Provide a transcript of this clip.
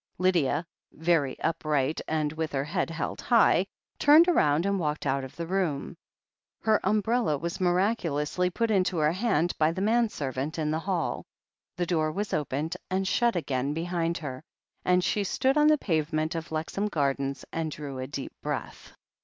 Lydia, very upright and with her head held high, turned round and walked out of the room. Her um brella was miraculously put into her hand by the man servant in the hall ; the door was opened and shut again 232 THE HEEL OF ACHILLES behind her, and she stood on the pavement of Lexham Gardens and drew a deep breath.